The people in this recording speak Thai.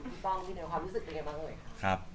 พี่ฟ่องพี่เนยความรู้สึกเป็นอย่างไรด้วยครับ